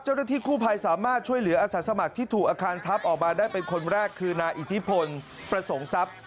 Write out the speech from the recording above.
เจ้าละที่คู่ภัยสามารถช่วยเหลืออาสาสมัครที่ถูกอาคารทัพออกมาได้เป็นคนแรกคือนาอิทธิภนร์ประสงสับ